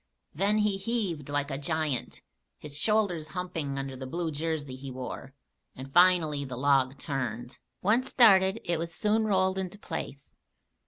Then he heaved like a giant, his shoulders humping under the blue jersey he wore, and finally the log turned. Once started, it was soon rolled into place.